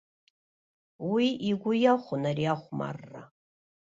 Уи игәы иахәон ари ахәмарра.